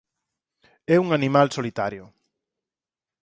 É un animal solitario.